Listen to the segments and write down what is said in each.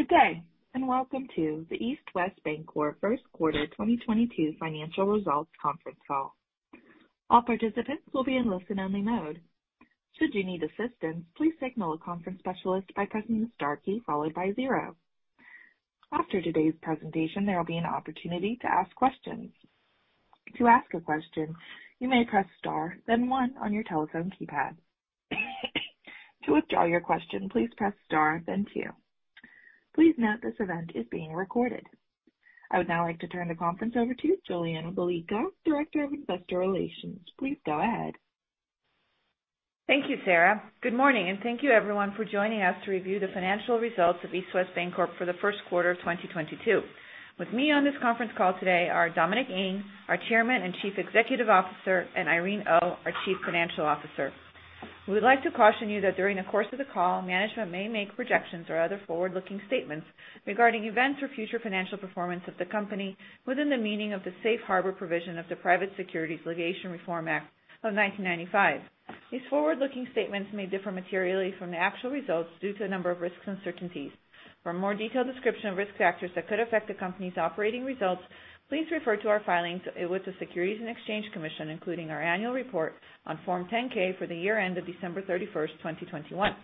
Good day, and welcome to the East West Bancorp Q1 2022 Financial Results Conference Call. All participants will be in listen only mode. Should you need assistance, please signal a conference specialist by pressing the star key followed by zero. After today's presentation, there will be an opportunity to ask questions. To ask a question, you may press star, then one on your telephone keypad. To withdraw your question, please press star then two. Please note this event is being recorded. I would now like to turn the conference over to Julianna Balicka, Director of Investor Relations. Please go ahead. Thank you, Sarah. Good morning, and thank you everyone for joining us to review the financial results of East West Bancorp for the Q1 of 2022. With me on this conference call today are Dominic Ng, our Chairman and Chief Executive Officer, and Irene Oh, our Chief Financial Officer. We'd like to caution you that during the course of the call, management may make projections or other forward-looking statements regarding events or future financial performance of the company within the meaning of the safe harbor provision of the Private Securities Litigation Reform Act of 1995. These forward-looking statements may differ materially from the actual results due to a number of risks and uncertainties. For a more detailed description of risk factors that could affect the company's operating results, please refer to our filings with the Securities and Exchange Commission, including our annual report on Form 10-K for the year ended December 31, 2021.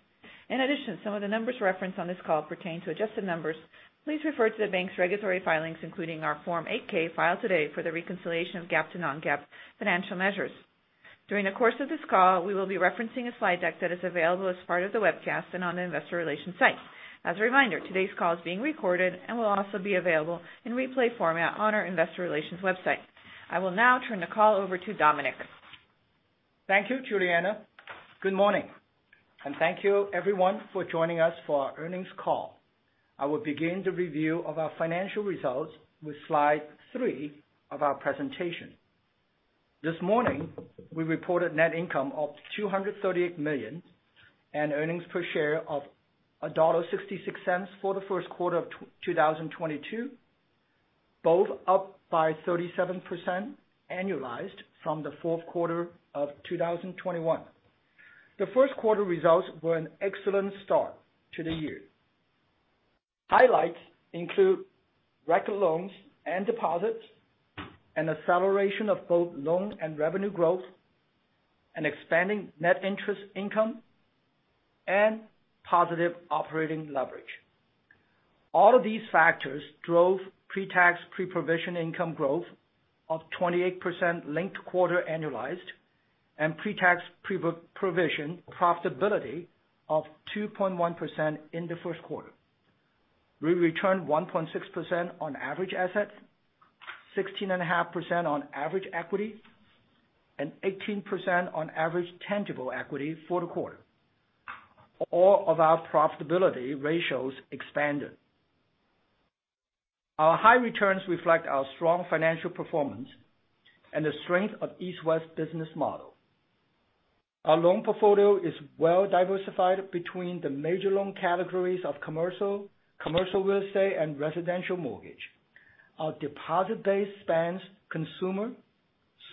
In addition, some of the numbers referenced on this call pertain to adjusted numbers. Please refer to the bank's regulatory filings, including our Form 8-K filed today for the reconciliation of GAAP to non-GAAP financial measures. During the course of this call, we will be referencing a slide deck that is available as part of the webcast and on the investor relations site. As a reminder, today's call is being recorded and will also be available in replay format on our investor relations website. I will now turn the call over to Dominic. Thank you, Juliana. Good morning, and thank you everyone for joining us for our earnings call. I will begin the review of our financial results with slide three of our presentation. This morning, we reported net income of $238 million and earnings per share of $1.66 for the Q1 of 2022, both up by 37% annualized from the Q4 of 2021. The Q1 results were an excellent start to the year. Highlights include record loans and deposits, an acceleration of both loan and revenue growth, an expanding net interest income, and positive operating leverage. All of these factors drove pre-tax, pre-provision income growth of 28% linked quarter annualized and pre-tax pre-provision profitability of 2.1% in the Q1. We returned 1.6% on average assets, 16.5% on average equity, and 18% on average tangible equity for the quarter. All of our profitability ratios expanded. Our high returns reflect our strong financial performance and the strength of East West Bancorp business model. Our loan portfolio is well diversified between the major loan categories of commercial real estate, and residential mortgage. Our deposit base spans consumer,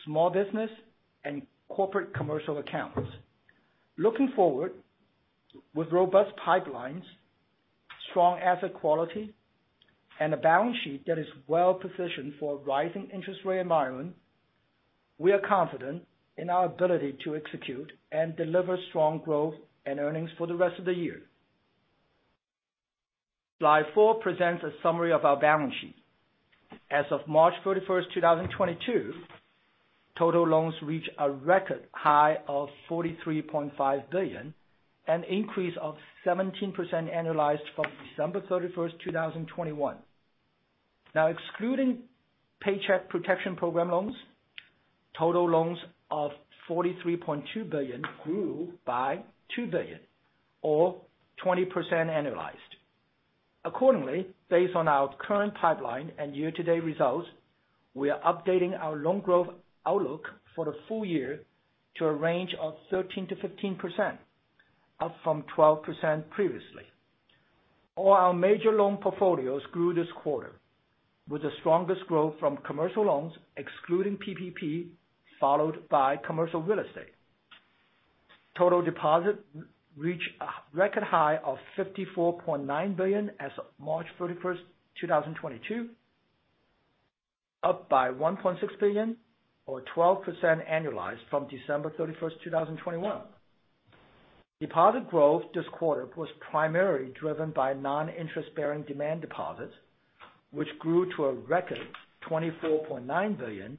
small business, and corporate commercial accounts. Looking forward, with robust pipelines, strong asset quality, and a balance sheet that is well-positioned for a rising interest rate environment, we are confident in our ability to execute and deliver strong growth and earnings for the rest of the year. Slide 4 presents a summary of our balance sheet. As of March 31, 2022, total loans reach a record high of $43.5 billion, an increase of 17% annualized from December 31, 2021. Now excluding Paycheck Protection Program loans, total loans of $43.2 billion grew by $2 billion or 20% annualized. Accordingly, based on our current pipeline and year-to-date results, we are updating our loan growth outlook for the full year to a range of 13%-15%, up from 12% previously. All our major loan portfolios grew this quarter, with the strongest growth from commercial loans excluding PPP, followed by commercial real estate. Total deposits reach a record high of $54.9 billion as of March 31, 2022, up by $1.6 billion or 12% annualized from December 31, 2021. Deposit growth this quarter was primarily driven by non-interest-bearing demand deposits, which grew to a record $24.9 billion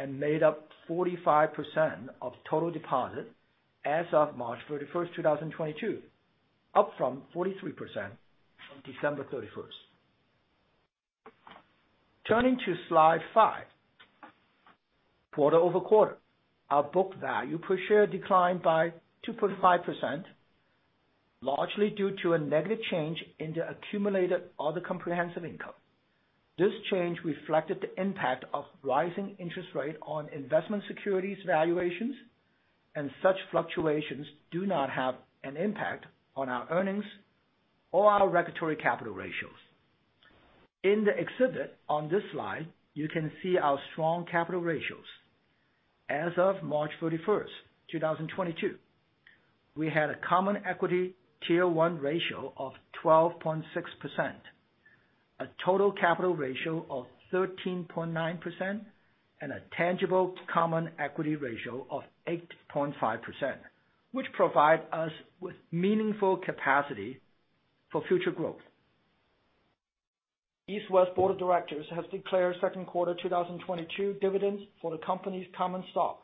and made up 45% of total deposits as of March 31, 2022, up from 43% on December 31. Turning to slide 5. Quarter-over-quarter, our book value per share declined by 2.5%, largely due to a negative change in the accumulated other comprehensive income. This change reflected the impact of rising interest rate on investment securities valuations, and such fluctuations do not have an impact on our earnings or our regulatory capital ratios. In the exhibit on this slide, you can see our strong capital ratios. As of March 31, 2022, we had a common equity tier one ratio of 12.6%, a total capital ratio of 13.9%, and a tangible common equity ratio of 8.5%, which provide us with meaningful capacity for future growth. East West Bancorp board of directors has declared Q2 2022 dividends for the company's common stock.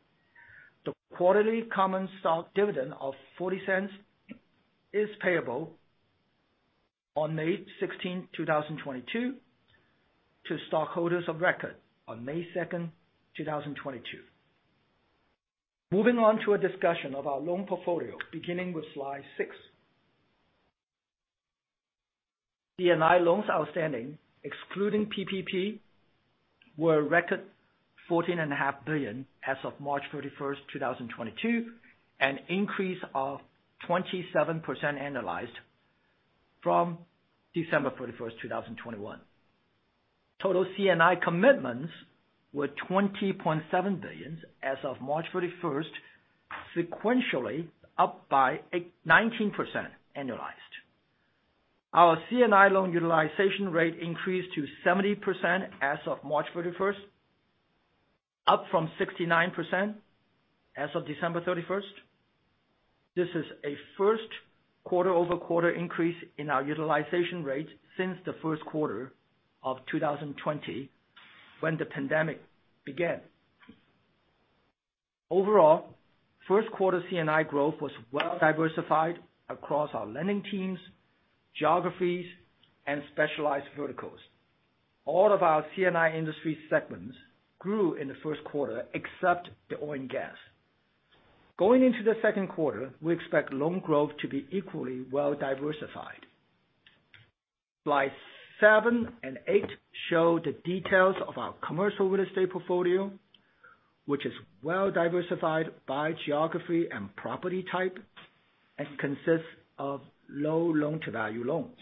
The quarterly common stock dividend of $0.40 is payable on May 16, 2022 to stockholders of record on May 2, 2022. Moving on to a discussion of our loan portfolio beginning with slide 6. C&I loans outstanding, excluding PPP, were a record $14.5 billion as of March 31, 2022, an increase of 27% annualized from December 31, 2021. Total C&I commitments were $20.7 billion as of March 31, sequentially up by 19% annualized. Our C&I loan utilization rate increased to 70% as of March 31, up from 69% as of December 31. This is a Q1-over-quarter increase in our utilization rate since the Q1 of 2020 when the pandemic began. Overall, Q1 C&I growth was well diversified across our lending teams, geographies, and specialized verticals. All of our C&I industry segments grew in the Q1 except the oil and gas. Going into the Q2, we expect loan growth to be equally well diversified. Slides 7 and 8 show the details of our commercial real estate portfolio, which is well diversified by geography and property type and consists of low loan-to-value loans.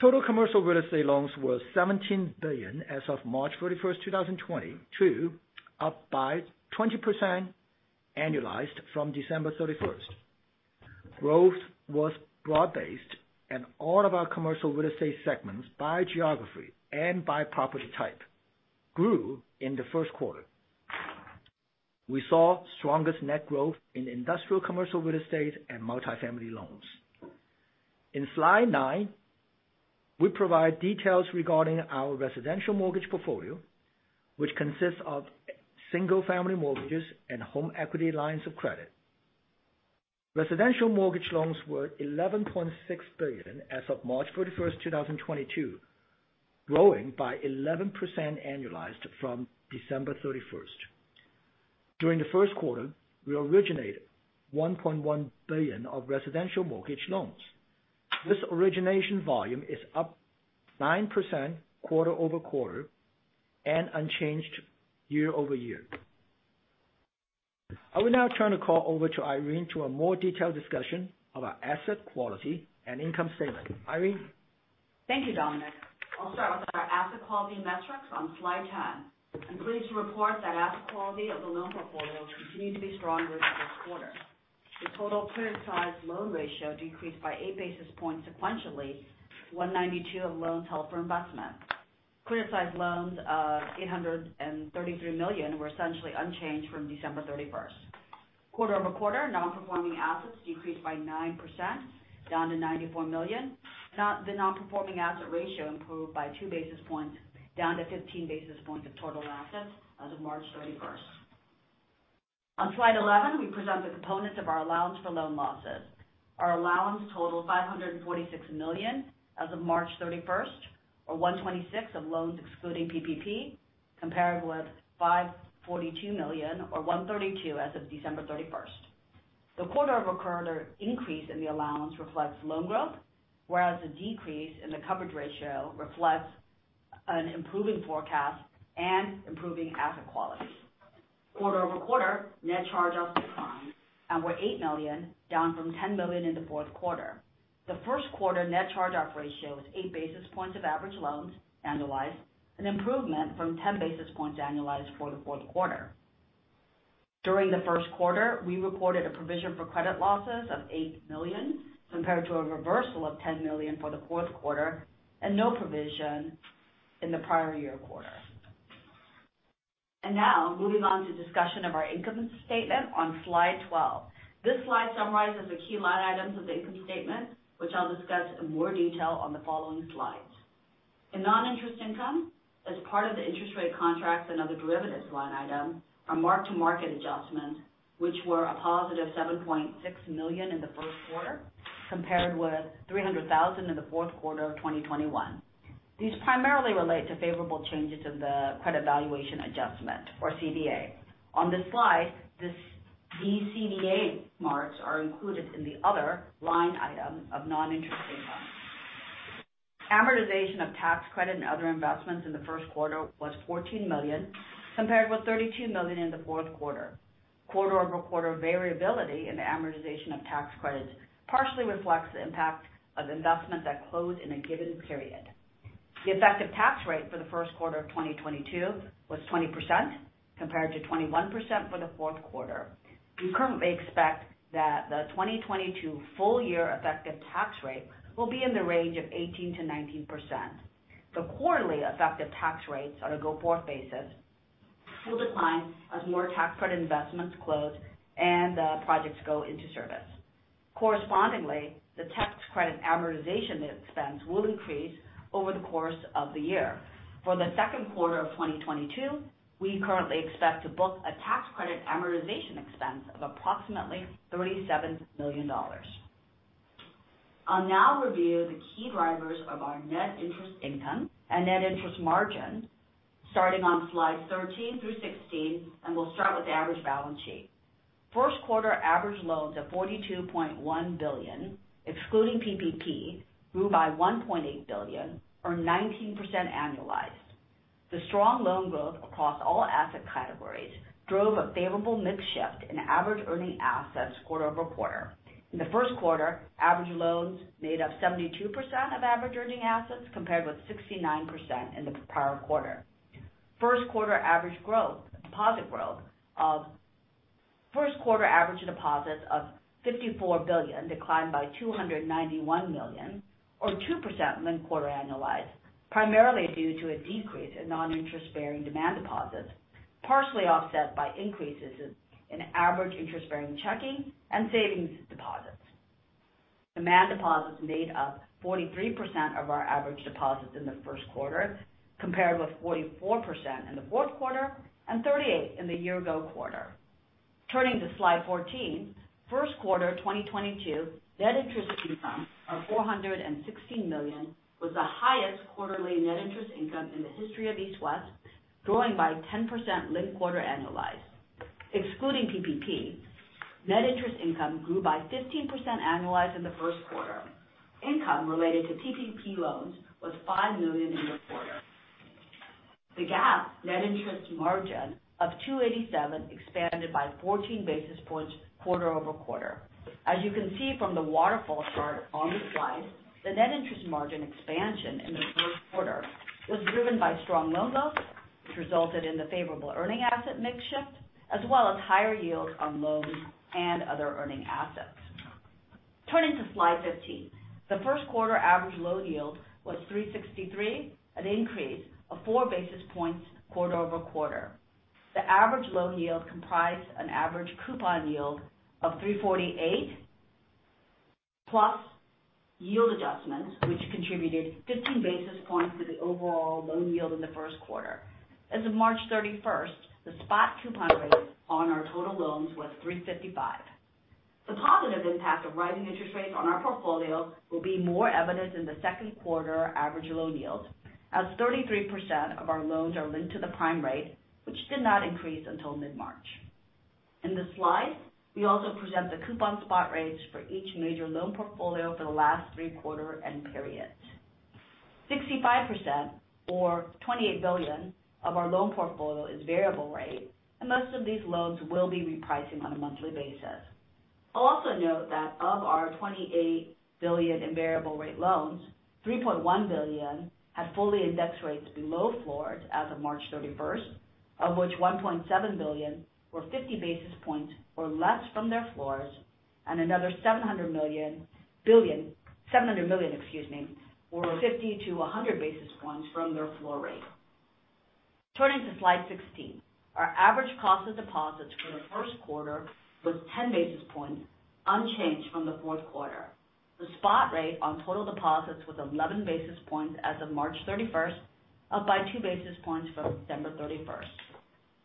Total commercial real estate loans were $17 billion as of March 31, 2022, up by 20% annualized from December 31. Growth was broad-based and all of our commercial real estate segments by geography and by property type grew in the Q1. We saw strongest net growth in industrial commercial real estate and multifamily loans. In slide nine, we provide details regarding our residential mortgage portfolio, which consists of single-family mortgages and home equity lines of credit. Residential mortgage loans were $11.6 billion as of March 31, 2022, growing by 11% annualized from December 31. During the Q1, we originated $1.1 billion of residential mortgage loans. This origination volume is up 9% quarter-over-quarter and unchanged year-over-year. I will now turn the call over to Irene for a more detailed discussion of our asset quality and income statement. Irene? Thank you, Dominic Ng. I'll start with our asset quality metrics on slide 10. I'm pleased to report that asset quality of the loan portfolio continued to be strong this quarter. The total criticized loan ratio decreased by 8 basis points sequentially, 1.92% of loans held for investment. Criticized loans of $833 million were essentially unchanged from December 31. Quarter-over-quarter, non-performing assets decreased by 9% down to $94 million. The non-performing asset ratio improved by 2 basis points down to 15 basis points of total assets as of March 31. On slide 11, we present the components of our allowance for loan losses. Our allowance totaled $546 million as of March 31, or 1.26% of loans excluding PPP, comparable with $542 million or 1.32% as of December 31. The quarter over quarter increase in the allowance reflects loan growth, whereas the decrease in the coverage ratio reflects an improving forecast and improving asset quality. Quarter over quarter, net charge-offs declined and were $8 million down from $10 million in the Q4. The Q1 net charge-off ratio was 8 basis points of average loans annualized, an improvement from 10 basis points annualized for the Q4. During the Q1, we reported a provision for credit losses of $8 million compared to a reversal of $10 million for the Q4 and no provision in the prior year quarter. Now moving on to discussion of our income statement on slide 12. This slide summarizes the key line items of the income statement, which I'll discuss in more detail on the following slides. In non-interest income, as part of the interest rate contracts and other derivatives line item, our mark-to-market adjustments, which were a positive $7.6 million in the Q1 compared with $300,000 in the Q4 of 2021. These primarily relate to favorable changes in the credit valuation adjustment or CVA. On this slide, these CVA marks are included in the other line item of non-interest income. Amortization of tax credit and other investments in the Q1 was $14 million, compared with $32 million in the Q4. Quarter-over-quarter variability in the amortization of tax credits partially reflects the impact of investments that closed in a given period. The effective tax rate for the Q1 of 2022 was 20% compared to 21% for the Q4. We currently expect that the 2022 full year effective tax rate will be in the range of 18%-19%. The quarterly effective tax rates on a go-forward basis will decline as more tax credit investments close and projects go into service. Correspondingly, the tax credit amortization expense will increase over the course of the year. For the Q2 of 2022, we currently expect to book a tax credit amortization expense of approximately $37 million. I'll now review the key drivers of our net interest income and net interest margin starting on slide 13 through 16, and we'll start with the average balance sheet. Q1 average loans of $42.1 billion, excluding PPP, grew by $1.8 billion or 19% annualized. The strong loan growth across all asset categories drove a favorable mix shift in average earning assets quarter-over-quarter. In the Q1, average loans made up 72% of average earning assets, compared with 69% in the prior quarter. Q1 average deposits of $54 billion declined by $291 million, or 2% linked quarter annualized, primarily due to a decrease in non-interest bearing demand deposits, partially offset by increases in average interest bearing checking and savings deposits. Demand deposits made up 43% of our average deposits in the Q1, compared with 44% in the Q4 and 38% in the year-ago quarter. Turning to slide 14. Q1 2022 net interest income of $416 million was the highest quarterly net interest income in the history of East West, growing by 10% linked-quarter annualized. Excluding PPP, net interest income grew by 15% annualized in the Q1. Income related to PPP loans was $5 million in the quarter. The GAAP net interest margin of 2.87 expanded by 14 basis points quarter-over-quarter. As you can see from the waterfall chart on the slide, the net interest margin expansion in the Q1 was driven by strong loan growth, which resulted in the favorable earning asset mix shift, as well as higher yields on loans and other earning assets. Turning to slide 15. The Q1 average loan yield was 3.63, an increase of 4 basis points quarter-over-quarter. The average loan yield comprised an average coupon yield of 3.48%, plus yield adjustments, which contributed 15 basis points to the overall loan yield in the Q1. As of March 31, the spot coupon rate on our total loans was 3.55%. The positive impact of rising interest rates on our portfolio will be more evident in the Q2 average loan yields as 33% of our loans are linked to the prime rate, which did not increase until mid-March. In this slide, we also present the coupon spot rates for each major loan portfolio for the last three quarter end periods. 65% or $28 billion of our loan portfolio is variable rate, and most of these loans will be repricing on a monthly basis. I'll also note that of our $28 billion in variable rate loans, $3.1 billion had fully indexed rates below floors as of March 31, of which $1.7 billion were 50 basis points or less from their floors and another $700 million, excuse me, were 50 to 100 basis points from their floor rate. Turning to slide 16. Our average cost of deposits for the Q1 was 10 basis points, unchanged from the Q4. The spot rate on total deposits was 11 basis points as of March 31, up by 2 basis points from December 31.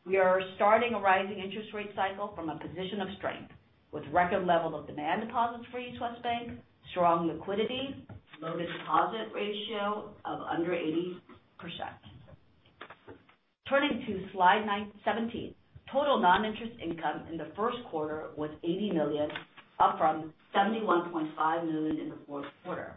We are starting a rising interest rate cycle from a position of strength with record levels of demand deposits for East West Bank, strong liquidity, loan-to-deposit ratio of under 80%. Turning to slide 17. Total non-interest income in the Q1 was $80 million, up from $71.5 million in the Q4.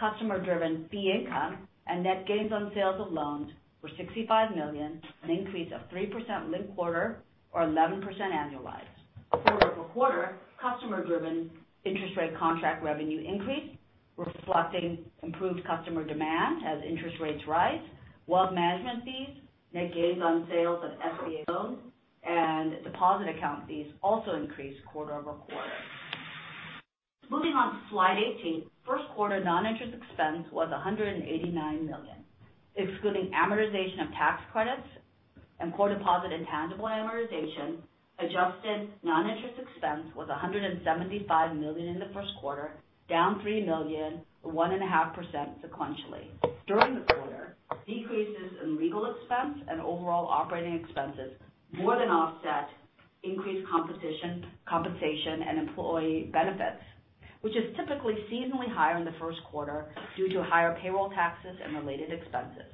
Customer driven fee income and net gains on sales of loans were $65 million, an increase of 3% linked quarter or 11% annualized. Quarter-over-quarter, customer driven interest rate contract revenue increased, reflecting improved customer demand as interest rates rise. Wealth management fees, net gains on sales of SBA loans and deposit account fees also increased quarter-over-quarter. Moving on to slide 18. Q1 non-interest expense was $189 million. Excluding amortization of tax credits and core deposit intangible amortization, adjusted non-interest expense was $175 million in the Q1, down $3 million or 1.5% sequentially. During the quarter, decreases in legal expense and overall operating expenses more than offset increased compensation and employee benefits, which is typically seasonally higher in the Q1 due to higher payroll taxes and related expenses.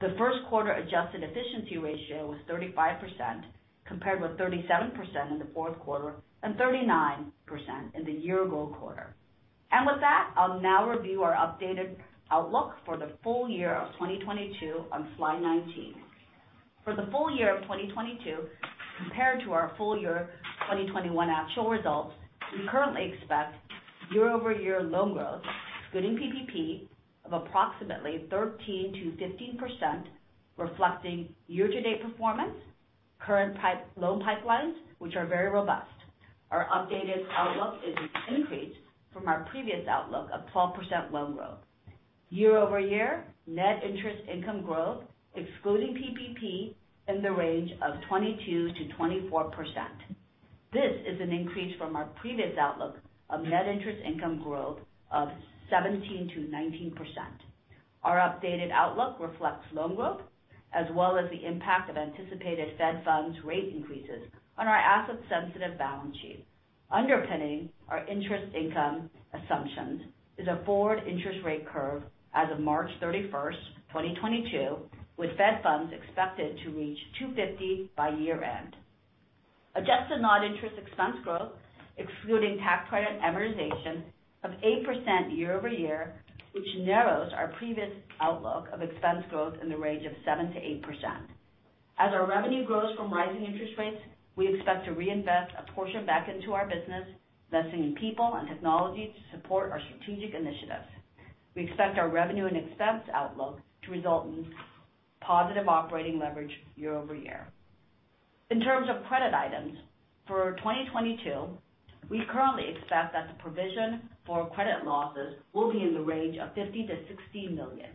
The Q1 adjusted efficiency ratio was 35%, compared with 37% in the Q4 and 39% in the year ago quarter. With that, I'll now review our updated outlook for the full year of 2022 on slide 19. For the full year of 2022 compared to our full year 2021 actual results, we currently expect year-over-year loan growth excluding PPP of approximately 13%-15%, reflecting year-to-date performance, current loan pipelines, which are very robust. Our updated outlook is an increase from our previous outlook of 12% loan growth. Year-over-year net interest income growth excluding PPP in the range of 22%-24%. This is an increase from our previous outlook of net interest income growth of 17%-19%. Our updated outlook reflects loan growth as well as the impact of anticipated Fed funds rate increases on our asset-sensitive balance sheet. Underpinning our interest income assumptions is a forward interest rate curve as of March 31, 2022, with Fed funds expected to reach 2.50 by year-end. Adjusted non-interest expense growth excluding tax credit amortization of 8% year-over-year, which narrows our previous outlook of expense growth in the range of 7%-8%. As our revenue grows from rising interest rates, we expect to reinvest a portion back into our business, investing in people and technology to support our strategic initiatives. We expect our revenue and expense outlook to result in positive operating leverage year-over-year. In terms of credit items, for 2022, we currently expect that the provision for credit losses will be in the range of $50 million-$60 million.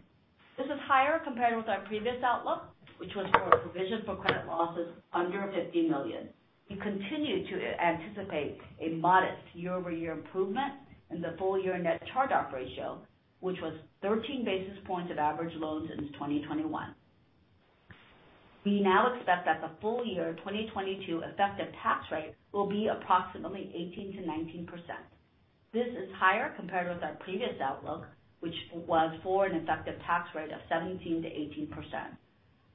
This is higher compared with our previous outlook, which was for a provision for credit losses under $50 million. We continue to anticipate a modest year-over-year improvement in the full year net charge-off ratio, which was 13 basis points of average loans in 2021. We now expect that the full year 2022 effective tax rate will be approximately 18%-19%. This is higher compared with our previous outlook, which was for an effective tax rate of 17%-18%.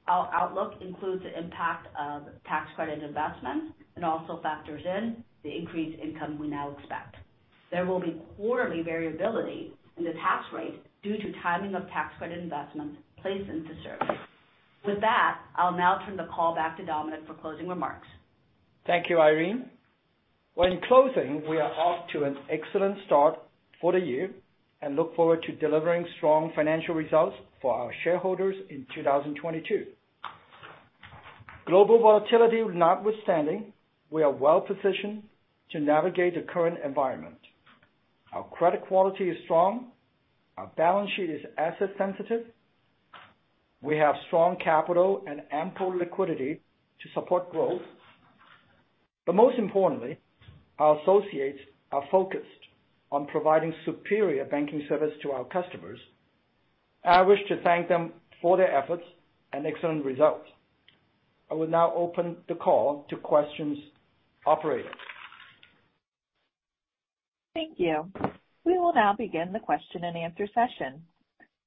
Our outlook includes the impact of tax credit investments and also factors in the increased income we now expect. There will be quarterly variability in the tax rate due to timing of tax credit investments placed into service. With that, I'll now turn the call back to Dominic for closing remarks. Thank you, Irene. Well, in closing, we are off to an excellent start for the year and look forward to delivering strong financial results for our shareholders in 2022. Global volatility notwithstanding, we are well positioned to navigate the current environment. Our credit quality is strong. Our balance sheet is asset sensitive. We have strong capital and ample liquidity to support growth. Most importantly, our associates are focused on providing superior banking service to our customers. I wish to thank them for their efforts and excellent results. I will now open the call to questions. Operator? Thank you. We will now begin the question-and-answer session.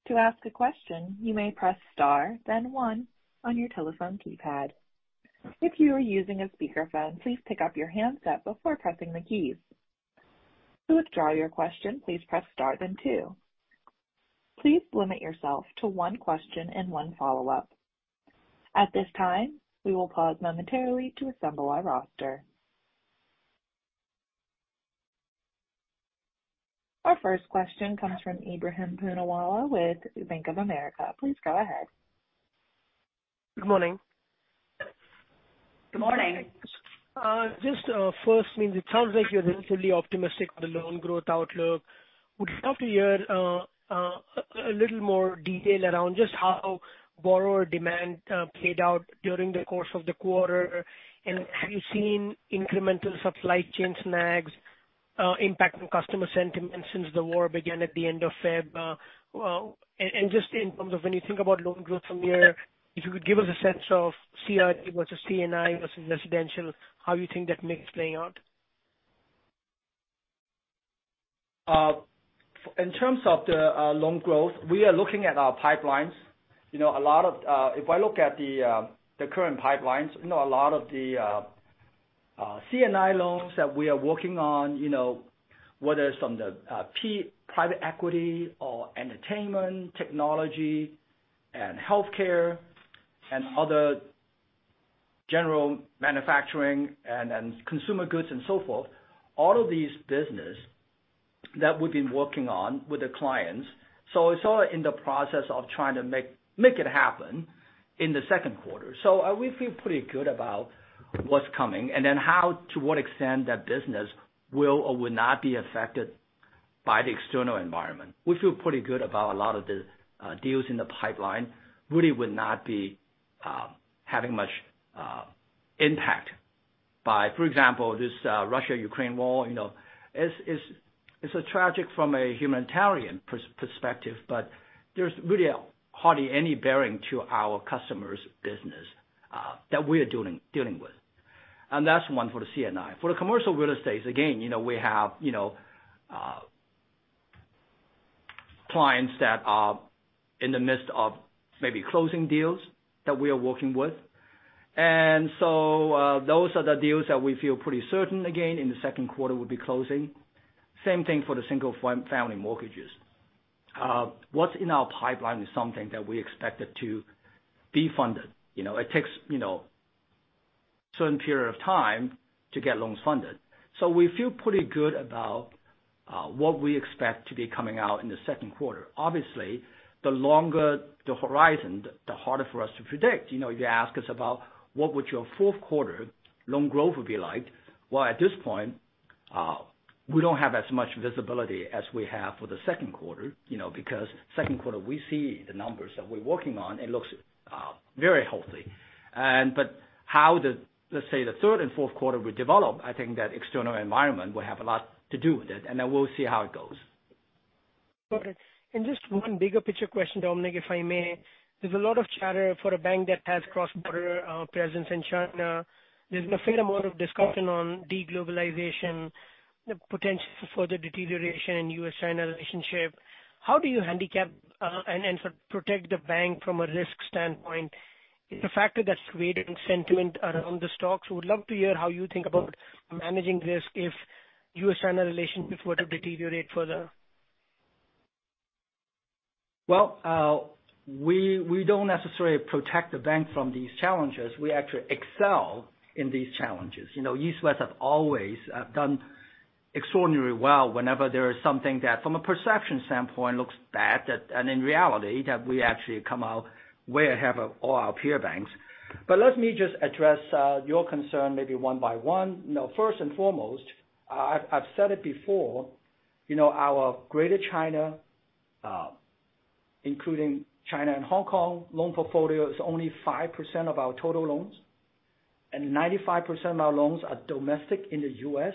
To ask a question, you may press star then one on your telephone keypad. If you are using a speakerphone, please pick up your handset before pressing the keys. To withdraw your question, please press star then two. Please limit yourself to one question and one follow-up. At this time, we will pause momentarily to assemble our roster. Our first question comes from Ebrahim Poonawala with Bank of America. Please go ahead. Good morning. Good morning. First, I mean, it sounds like you're relatively optimistic on the loan growth outlook. Would love to hear a little more detail around just how borrower demand played out during the course of the quarter. Have you seen incremental supply chain snags impact on customer sentiment since the war began at the end of February? Just in terms of when you think about loan growth from here, if you could give us a sense of CRE versus C&I versus residential, how you think that mix is playing out. In terms of the loan growth, we are looking at our pipelines. You know, if I look at the current pipelines, you know, a lot of the C&I loans that we are working on, you know, whether it's from the private equity or entertainment, technology and healthcare and other general manufacturing and consumer goods and so forth, all of these business that we've been working on with the clients. It's all in the process of trying to make it happen in the Q2. We feel pretty good about what's coming and then to what extent that business will or will not be affected by the external environment. We feel pretty good about a lot of the deals in the pipeline really would not be having much impact by, for example, this Russia-Ukraine war. You know, it's a tragic, from a humanitarian perspective, but there's really hardly any bearing to our customers' business that we're dealing with. That's one for the C&I. For the commercial real estate, again, you know, we have clients that are in the midst of maybe closing deals that we are working with. Those are the deals that we feel pretty certain, again, in the Q2 will be closing. Same thing for the single-family mortgages. What's in our pipeline is something that we expected to be funded. You know, it takes certain period of time to get loans funded. We feel pretty good about what we expect to be coming out in the Q2. Obviously, the longer the horizon, the harder for us to predict. You know, if you ask us about what would your Q4 loan growth would be like, well, at this point, we don't have as much visibility as we have for the Q2, you know, because Q2 we see the numbers that we're working on, it looks very healthy. But how the, let's say, the third and Q4 will develop, I think that external environment will have a lot to do with it, and then we'll see how it goes. Got it. Just one bigger picture question, Dominic, if I may. There's a lot of chatter for a bank that has cross-border presence in China. There's been a fair amount of discussion on de-globalization, the potential for further deterioration in U.S.-China relationship. How do you handicap and sort of protect the bank from a risk standpoint? It's a factor that's weighed in sentiment around the stocks. Would love to hear how you think about managing risk if U.S.-China relationship were to deteriorate further. Well, we don't necessarily protect the bank from these challenges. We actually excel in these challenges. You know, East West have always done extraordinary well whenever there is something that, from a perception standpoint, looks bad, and in reality, we actually come out way ahead of all our peer banks. Let me just address your concern maybe one by one. You know, first and foremost, I've said it before, you know, our Greater China, including China and Hong Kong loan portfolio is only 5% of our total loans, and 95% of our loans are domestic in the U.S.,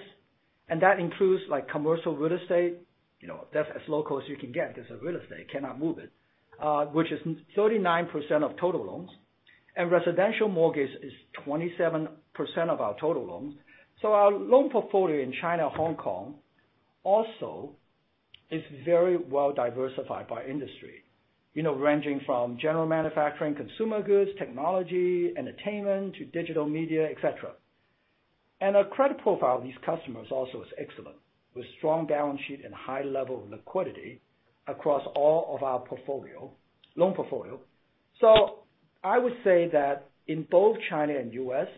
and that includes, like, commercial real estate. You know, that's as low cost you can get as a real estate, cannot move it, which is 39% of total loans. Residential mortgage is 27% of our total loans. Our loan portfolio in China/Hong Kong also is very well diversified by industry. You know, ranging from general manufacturing, consumer goods, technology, entertainment, to digital media, et cetera. Our credit profile of these customers also is excellent, with strong balance sheet and high level of liquidity across all of our portfolio, loan portfolio. I would say that in both China and U.S.,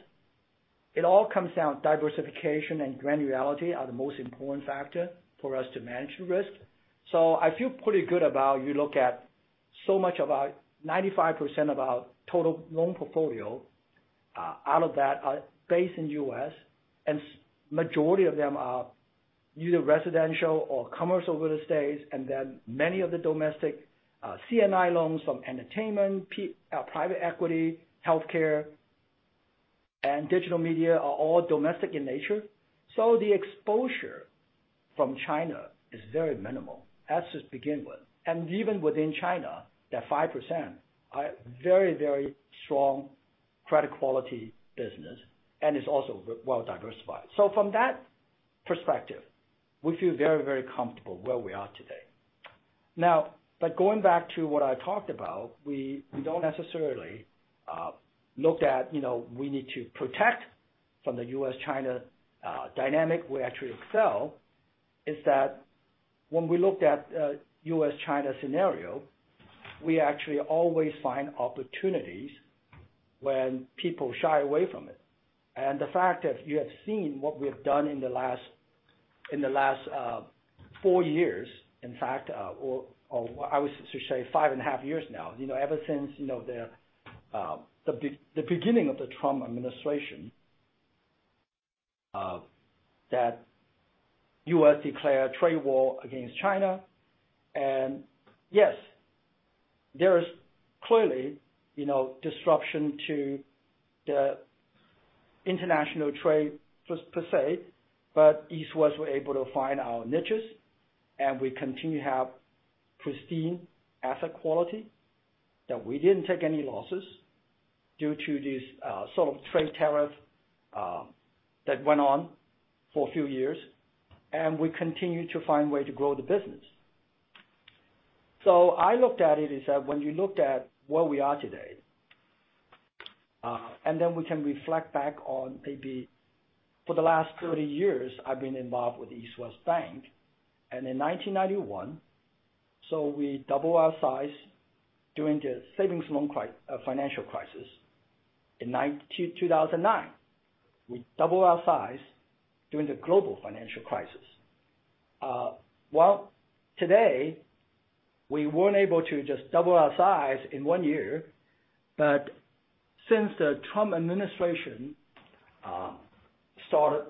it all comes down to diversification and granularity are the most important factor for us to manage risk. I feel pretty good. 95% of our total loan portfolio are based in U.S., and the majority of them are either residential or commercial real estate, and then many of the domestic C&I loans from entertainment, private equity, healthcare, and digital media are all domestic in nature. The exposure from China is very minimal, that's to begin with. Even within China, that 5% are very, very strong credit quality business, and it's also well diversified. From that perspective, we feel very, very comfortable where we are today. Now, going back to what I talked about, we don't necessarily look at, you know, we need to protect from the U.S.-China dynamic. We actually excel. That is when we looked at U.S.-China scenario, we actually always find opportunities when people shy away from it. The fact that you have seen what we've done in the last 4 years, in fact, or I would say 5.5 years now, you know, ever since, you know, the beginning of the Trump administration, that U.S. declared trade war against China. Yes, there is clearly, you know, disruption to the international trade just per se, but East West were able to find our niches, and we continue to have pristine asset quality. That we didn't take any losses due to this sort of trade tariff that went on for a few years. We continue to find way to grow the business. I looked at it as that when you looked at where we are today, and then we can reflect back on maybe for the last 30 years I've been involved with East West Bank. In 1991, we double our size during the savings and loan crisis. In 2009, we double our size during the global financial crisis. Well, today we weren't able to just double our size in one year, but since the Trump administration started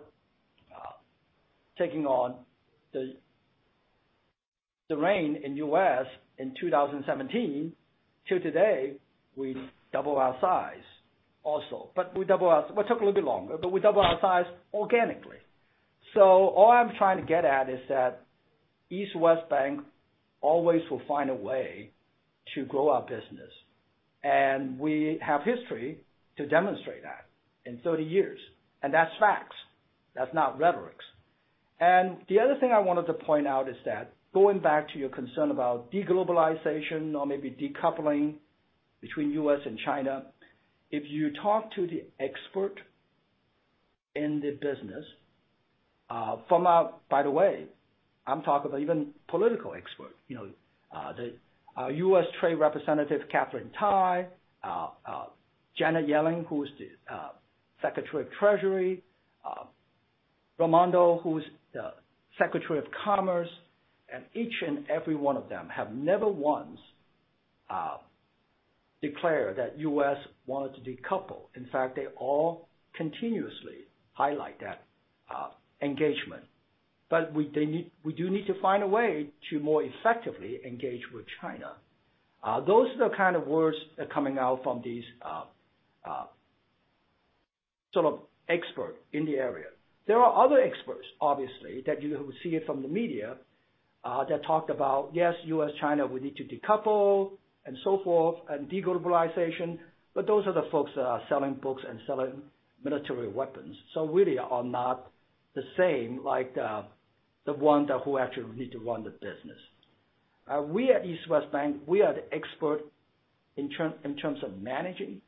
taking on the reins in the U.S. in 2017 till today, we double our size also. Well, it took a little bit longer, but we double our size organically. All I'm trying to get at is that East West Bank always will find a way to grow our business. We have history to demonstrate that in 30 years, and that's facts. That's not rhetoric. The other thing I wanted to point out is that going back to your concern about de-globalization or maybe decoupling between U.S. and China, if you talk to the expert in the business. By the way, I'm talking about even political expert, you know, the U.S. Trade Representative Katherine Tai, Janet Yellen, who's the Secretary of the Treasury, Raimondo, who's the Secretary of Commerce, and each and every one of them have never once declared that U.S. wanted to decouple. In fact, they all continuously highlight that engagement. We do need to find a way to more effectively engage with China. Those are the kind of words that are coming out from these sort of experts in the area. There are other experts, obviously, that you see in the media that talked about, yes, U.S., China, we need to decouple and so forth and de-globalization, but those are the folks that are selling books and selling military weapons, so really are not the same like the one who actually need to run the business. We at East West Bank, we are the experts in terms of managing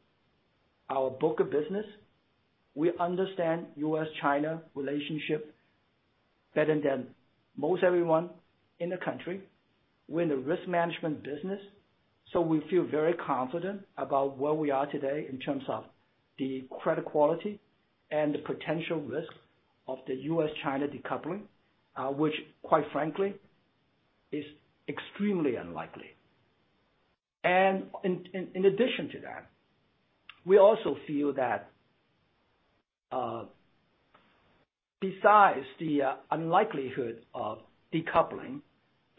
our book of business. We understand U.S.-China relationship better than most everyone in the country. We're in the risk management business, so we feel very confident about where we are today in terms of the credit quality and the potential risk of the U.S.-China decoupling, which quite frankly is extremely unlikely. In addition to that, we also feel that, besides the unlikelihood of decoupling,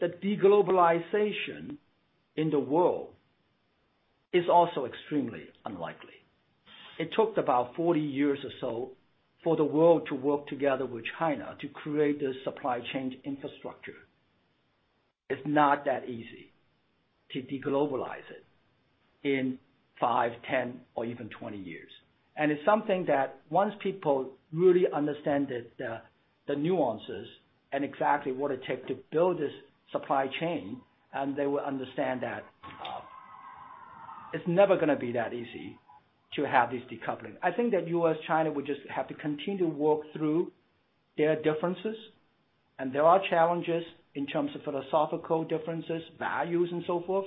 that de-globalization in the world is also extremely unlikely. It took about 40 years or so for the world to work together with China to create a supply chain infrastructure. It's not that easy to de-globalize it in 5, 10 or even 20 years. It's something that once people really understand the nuances and exactly what it takes to build this supply chain, and they will understand that, it's never gonna be that easy to have this decoupling. I think that U.S., China would just have to continue to work through their differences. There are challenges in terms of philosophical differences, values and so forth.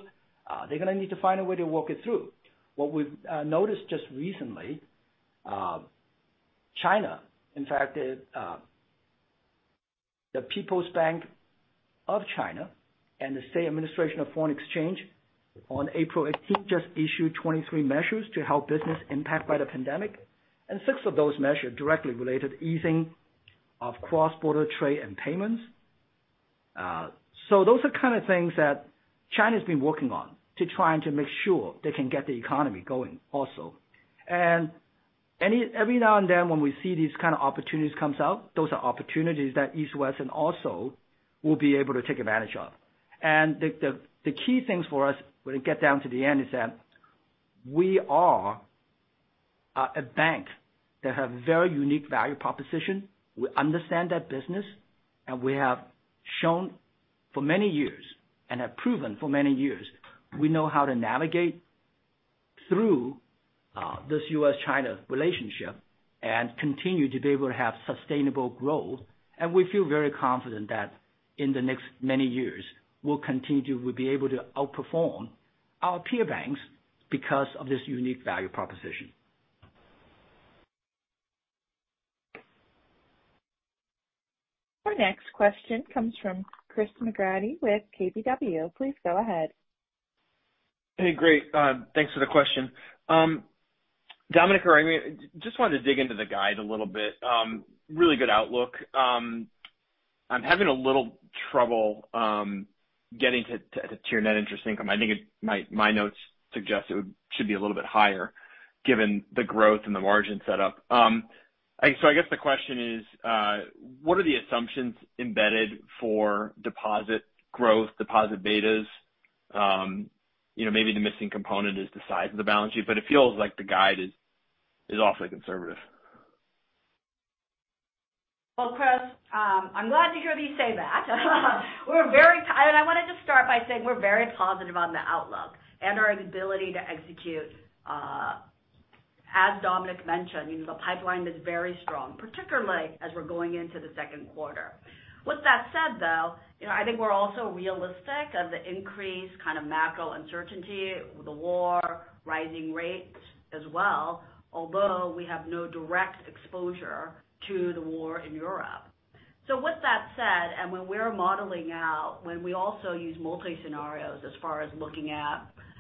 They're gonna need to find a way to work it through. What we've noticed just recently, China, in fact, the People's Bank of China and the State Administration of Foreign Exchange on April 18 just issued 23 measures to help businesses impacted by the pandemic, and six of those measures directly related to easing of cross-border trade and payments. Those are kind of things that China's been working on to try and make sure they can get the economy going also. Every now and then when we see these kind of opportunities comes out, those are opportunities that East West Bancorp also will be able to take advantage of. The key things for us, when we get down to the end, is that we are a bank that have very unique value proposition. We understand that business, and we have shown for many years and have proven for many years, we know how to navigate through this U.S.-China relationship and continue to be able to have sustainable growth. We feel very confident that in the next many years we'll continue to be able to outperform our peer banks because of this unique value proposition. Our next question comes from Christopher McGratty with KBW. Please go ahead. Hey, great. Thanks for the question. Dominic or Amy, just wanted to dig into the guide a little bit. Really good outlook. I'm having a little trouble getting to your net interest income. I think my notes suggest it should be a little bit higher given the growth and the margin set up. I guess the question is, what are the assumptions embedded for deposit growth, deposit betas? You know, maybe the missing component is the size of the balance sheet, but it feels like the guide is awfully conservative. Well, Chris, I'm glad to hear you say that. I wanted to start by saying we're very positive on the outlook and our ability to execute, as Dominic mentioned. You know, the pipeline is very strong, particularly as we're going into the Q2. With that said, though, you know, I think we're also realistic of the increased kind of macro uncertainty with the war, rising rates as well, although we have no direct exposure to the war in Europe. With that said, and when we're modeling out, when we also use multi-scenarios as far as looking at,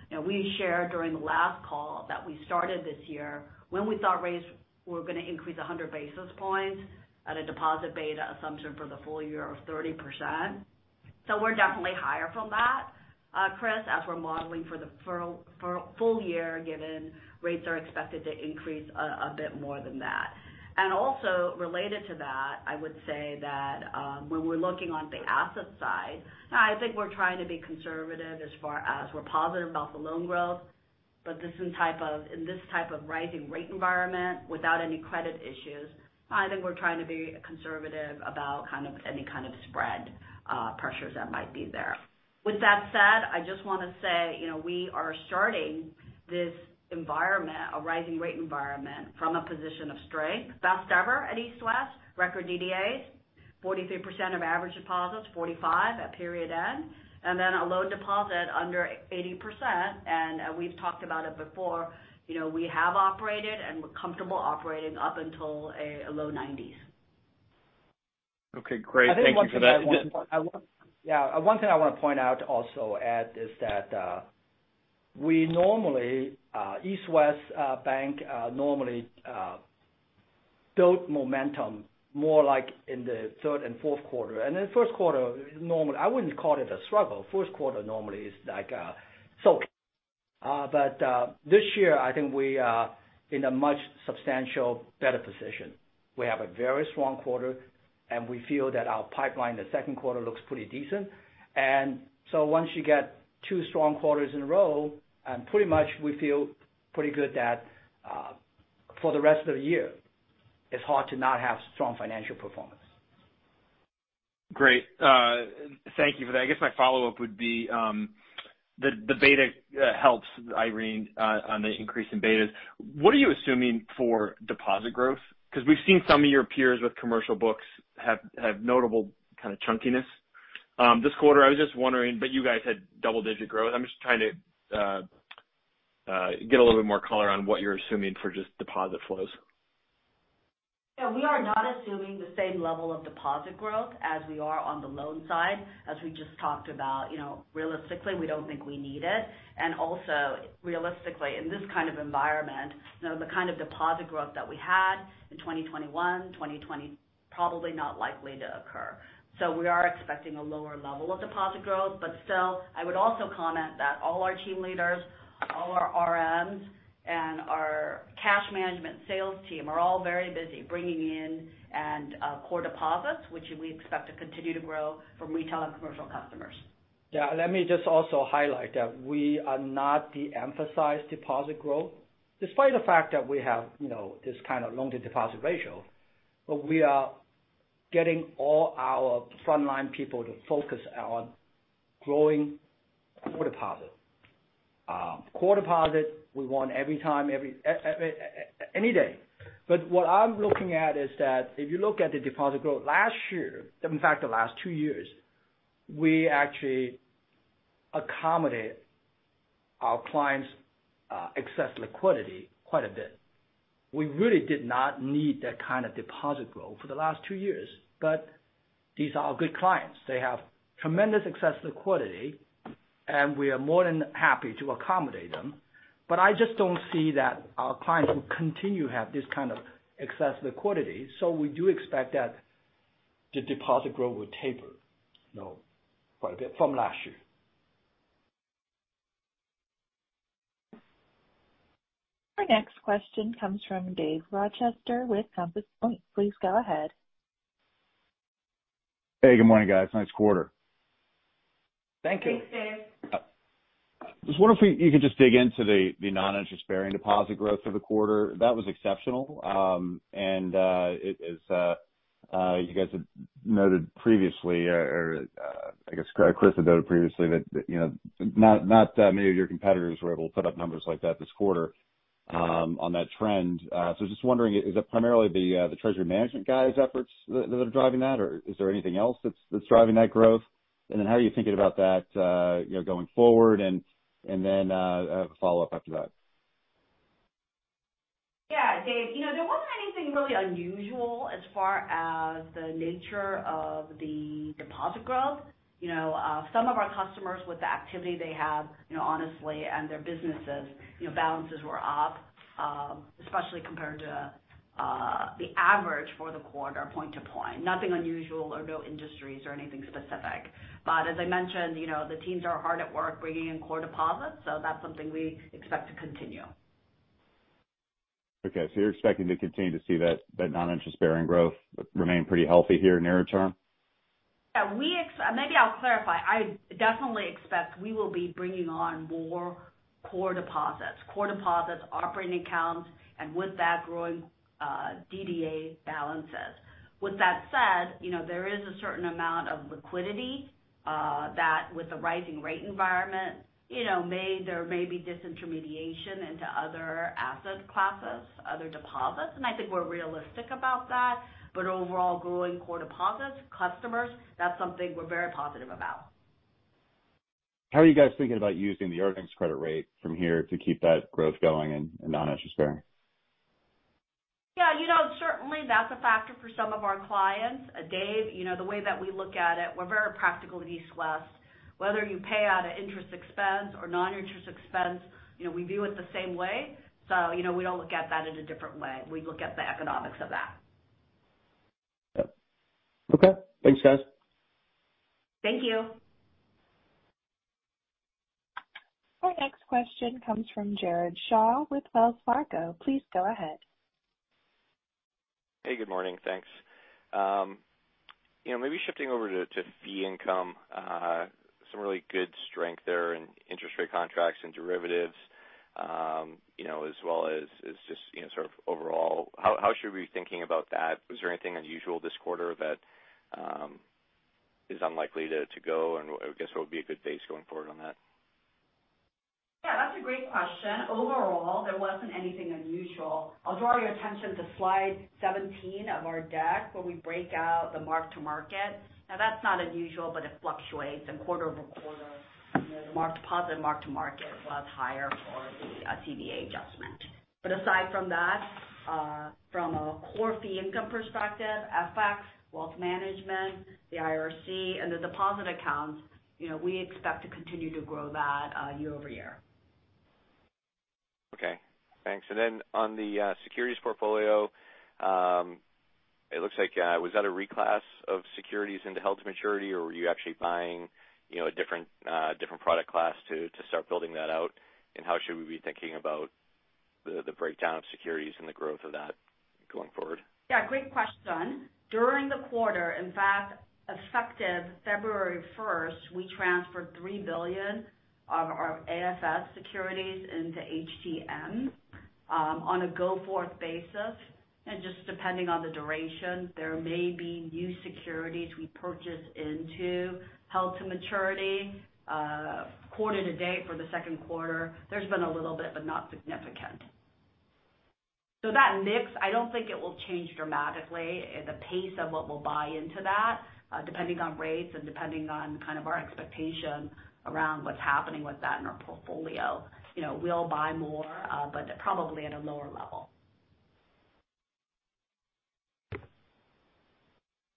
you know, we shared during the last call that we started this year when we thought rates were gonna increase 100 basis points at a deposit beta assumption for the full year of 30%. We're definitely higher from that, Chris, as we're modeling for full year, given rates are expected to increase a bit more than that. Also related to that, I would say that, when we're looking on the asset side, I think we're trying to be conservative as far as we're positive about the loan growth. In this type of rising rate environment without any credit issues, I think we're trying to be conservative about kind of any kind of spread pressures that might be there. With that said, I just wanna say, you know, we are starting this environment, a rising rate environment from a position of strength. Best ever at East West. Record DDAs, 43% of average deposits, 45% at period end, and then a loan-to-deposit under 80%. We've talked about it before, you know, we have operated and we're comfortable operating up until a low 90s. Okay, great. Thank you for that. Yeah. One thing I want to point out also, Ed, is that we normally, East West Bank, normally build momentum more like in the third and Q4. In Q1, normally I wouldn't call it a struggle. Q1 normally is like a slow. This year I think we are in a much substantial better position. We have a very strong quarter, and we feel that our pipeline in the Q2 looks pretty decent. Once you get two strong quarters in a row, pretty much we feel pretty good that for the rest of the year, it's hard to not have strong financial performance. Great. Thank you for that. I guess my follow-up would be the betas, Irene, on the increase in betas. What are you assuming for deposit growth? 'Cause we've seen some of your peers with commercial books have notable kind of chunkiness this quarter. I was just wondering. You guys had double digit growth. I'm just trying to get a little bit more color on what you're assuming for just deposit flows. Yeah. We are not assuming the same level of deposit growth as we are on the loan side, as we just talked about. You know, realistically, we don't think we need it. Also realistically, in this kind of environment, you know, the kind of deposit growth that we had in 2021, 2020, probably not likely to occur. We are expecting a lower level of deposit growth. Still, I would also comment that all our team leaders, all our RMs and our cash management sales team are all very busy bringing in and core deposits, which we expect to continue to grow from retail and commercial customers. Yeah, let me just also highlight that we are not de-emphasize deposit growth despite the fact that we have, you know, this kind of loan to deposit ratio. We are getting all our frontline people to focus on growing core deposit. Core deposit we want every time, any day. What I'm looking at is that if you look at the deposit growth last year, in fact the last two years, we actually accommodate our clients' excess liquidity quite a bit. We really did not need that kind of deposit growth for the last two years. These are our good clients. They have tremendous excess liquidity, and we are more than happy to accommodate them. I just don't see that our clients will continue to have this kind of excess liquidity. We do expect that the deposit growth will taper, you know, quite a bit from last year. Our next question comes from Dave Rochester with Compass Point. Please go ahead. Hey, good morning, guys. Nice quarter. Thank you. Thanks, Dave. just wonder if you could just dig into the noninterest-bearing deposit growth for the quarter. That was exceptional. You guys have noted previously or I guess Chris had noted previously that you know not many of your competitors were able to put up numbers like that this quarter on that trend. Just wondering, is that primarily the treasury management guys' efforts that are driving that, or is there anything else that's driving that growth? How are you thinking about that you know going forward? I have a follow-up after that. Yeah. Dave, you know, there wasn't anything really unusual as far as the nature of the deposit growth. You know, some of our customers with the activity they have, you know, honestly, and their businesses, you know, balances were up, especially compared to the average for the quarter point to point. Nothing unusual or no industries or anything specific. As I mentioned, you know, the teams are hard at work bringing in core deposits, so that's something we expect to continue. Okay. You're expecting to continue to see that noninterest-bearing growth remain pretty healthy here near term? Yeah, maybe I'll clarify. I definitely expect we will be bringing on more core deposits. Core deposits, operating accounts, and with that growing, DDA balances. With that said, you know, there is a certain amount of liquidity that with the rising rate environment, you know, there may be disintermediation into other asset classes, other deposits, and I think we're realistic about that. Overall growing core deposits, customers, that's something we're very positive about. How are you guys thinking about using the earnings credit rate from here to keep that growth going in non-interest bearing? Yeah, you know, certainly that's a factor for some of our clients. Dave, you know, the way that we look at it, we're very practical at East West. Whether you pay out an interest expense or non-interest expense, you know, we view it the same way. You know, we don't look at that in a different way. We look at the economics of that. Yep. Okay. Thanks, guys. Thank you. Our next question comes from Jared Shaw with Wells Fargo. Please go ahead. Hey, good morning. Thanks. You know, maybe shifting over to fee income, some really good strength there in interest rate contracts and derivatives, you know, as well as just, you know, sort of overall. How should we be thinking about that? Was there anything unusual this quarter that is unlikely to go? I guess what would be a good base going forward on that? Yeah, that's a great question. Overall, there wasn't anything unusual. I'll draw your attention to slide 17 of our deck, where we break out the mark-to-market. Now, that's not unusual, but it fluctuates quarter-over-quarter, you know, the mark-to-market was higher for the CVA adjustment. Aside from that, from a core fee income perspective, FX, wealth management, the IRC, and the deposit accounts, you know, we expect to continue to grow that year-over-year. Okay, thanks. On the securities portfolio, it looks like, was that a reclass of securities into held to maturity, or were you actually buying, you know, a different product class to start building that out? How should we be thinking about the breakdown of securities and the growth of that going forward? Yeah, great question. During the quarter, in fact, effective February first, we transferred $3 billion of our AFS securities into HTM on a go-forward basis. Just depending on the duration, there may be new securities we purchase into held to maturity. Quarter to date for the Q2, there's been a little bit, but not significant. That mix, I don't think it will change dramatically. The pace of what we'll buy into that, depending on rates and depending on kind of our expectation around what's happening with that in our portfolio. You know, we'll buy more, but probably at a lower level.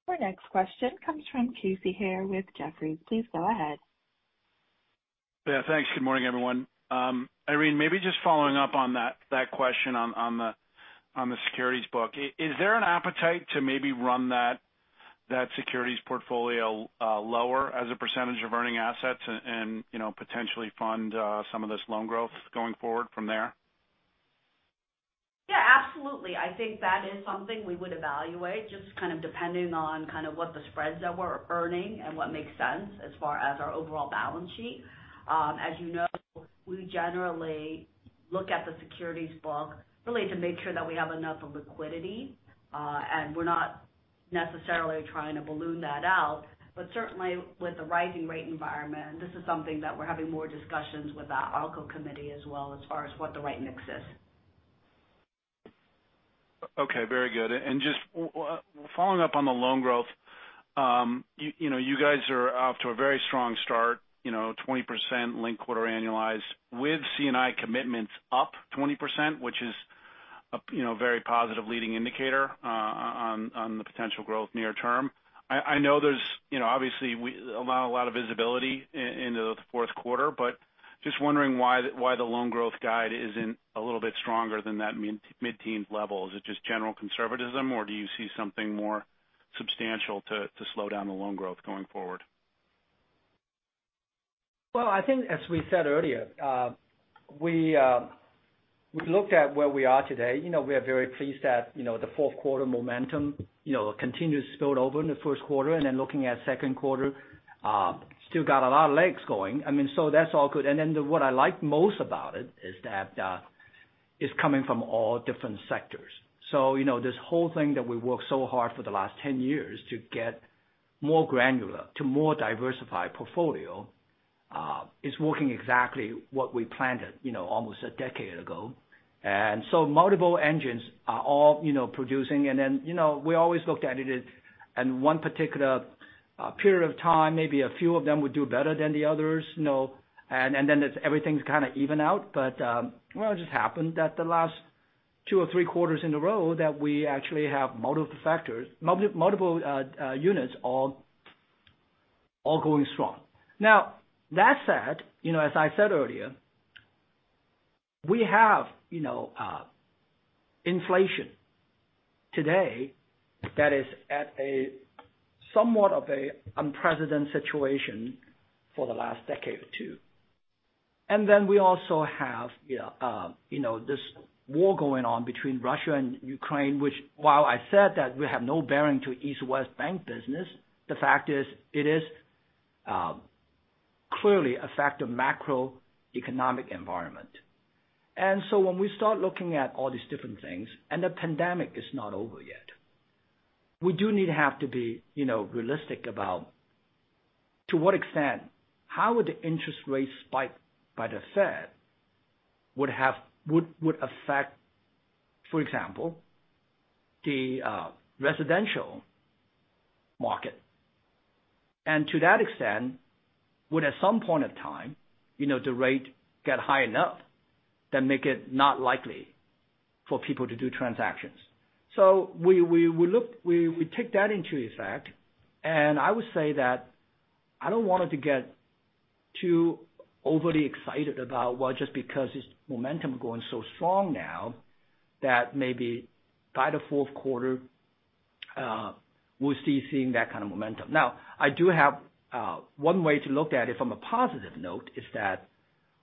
Our next question comes from Casey Haire with Jefferies. Please go ahead. Yeah, thanks. Good morning, everyone. Irene Oh, maybe just following up on that question on the securities book. Is there an appetite to maybe run that securities portfolio lower as a percentage of earning assets and, you know, potentially fund some of this loan growth going forward from there? Yeah, absolutely. I think that is something we would evaluate, just kind of depending on kind of what the spreads that we're earning and what makes sense as far as our overall balance sheet. As you know, we generally look at the securities book really to make sure that we have enough liquidity, and we're not necessarily trying to balloon that out. Certainly, with the rising rate environment, this is something that we're having more discussions with our ALCO committee as well as far as what the right mix is. Okay, very good. Just following up on the loan growth, you know, you guys are off to a very strong start, you know, 20% linked quarter annualized with C&I commitments up 20%, which is a you know very positive leading indicator on the potential growth near term. I know there's you know obviously we allow a lot of visibility into the Q4, but just wondering why the loan growth guide isn't a little bit stronger than that mid-teen level. Is it just general conservatism, or do you see something more substantial to slow down the loan growth going forward? Well, I think as we said earlier, we looked at where we are today. You know, we are very pleased that, you know, the Q4 momentum, you know, continues to spill over in the Q1. Looking at Q2, still got a lot of legs going. I mean, that's all good. What I like most about it is that, it's coming from all different sectors. You know, this whole thing that we worked so hard for the last 10 years to get more granular, to more diversified portfolio, is working exactly what we planned it, you know, almost a decade ago. Multiple engines are all, you know, producing. Then, you know, we always looked at it as in one particular period of time, maybe a few of them would do better than the others, you know, and then it's everything's kind of even out. Well, it just happened that the last two or three quarters in a row that we actually have multiple factors, units all going strong. Now, that said, you know, as I said earlier, we have, you know, inflation today that is at a somewhat of an unprecedented situation for the last decade or two. We also have, you know, this war going on between Russia and Ukraine, which while I said that we have no bearing on East West Bank business, the fact is it is clearly affects the macroeconomic environment. When we start looking at all these different things, and the pandemic is not over yet, we do need to have to be, you know, realistic about to what extent, how would the interest rate spike by the Fed would affect, for example, the residential market? To that extent, would at some point in time, you know, the rate get high enough that make it not likely for people to do transactions. We look, we take that into effect. I would say that I don't want it to get too overly excited about, well, just because it's momentum going so strong now that maybe by the Q4, we're still seeing that kind of momentum. Now, I do have one way to look at it from a positive note is that